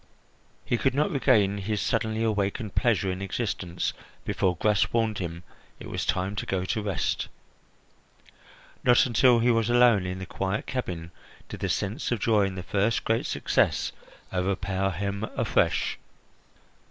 He could not regain his suddenly awakened pleasure in existence before Gras warned him it was time to go to rest. Not until he was alone in the quiet cabin did the sense of joy in his first great success overpower him afresh.